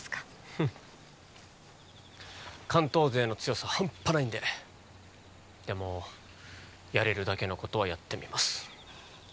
フッ関東勢の強さハンパないんででもやれるだけのことはやってみます